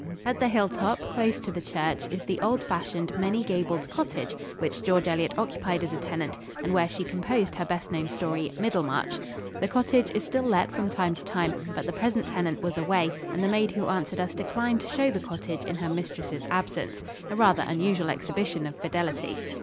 At the hilltop, close to the church, is the old fashioned, many gabled cottage which George Eliot occupied as a tenant and where she composed her best known story, "Middlemarch." The cottage is still let from time to time, but the present tenant was away and the maid who answered us declined to show the cottage in her mistress' absence a rather unusual exhibition of fidelity.